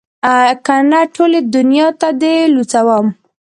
که نه ټولې دونيا ته دې لوڅوم.